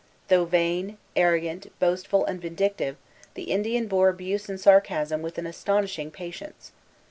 Though vain, arrogant, boastful, and vindictive, the Indian bore abuse and sarcasm with an astonishing patience.